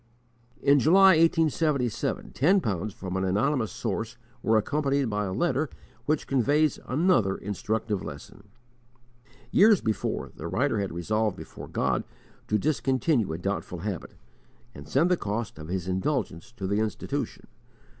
In July, 1877, ten pounds from an anonymous source were accompanied by a letter which conveys another instructive lesson. Years before, the writer had resolved before God to discontinue a doubtful habit, and send the cost of his indulgence to the Institution.